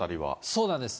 そうなんです。